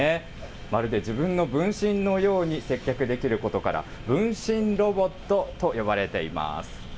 まるで自分の分身のように、接客できることから、分身ロボットと呼ばれています。